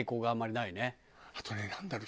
あとねなんだろう？